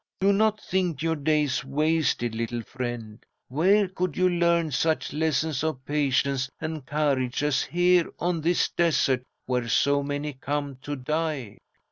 "Do not think your days wasted, little friend. Where could you learn such lessons of patience and courage as here on this desert where so many come to die?